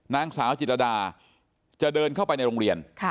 นางสาวจิตรดาจะเดินเข้าไปในโรงเรียน